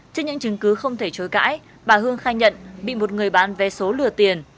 trước những chứng cứ không thể chối cãi bà hương khai nhận bị một người bán vé số lừa tiền